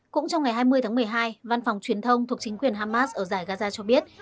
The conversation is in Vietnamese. cũng trong ngày hai mươi tháng một mươi hai văn phòng truyền thông thuộc chính quyền hamas ở giải gaza cho biết